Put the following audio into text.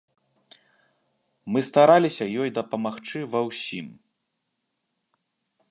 Мы стараліся ёй дапамагчы ва ўсім.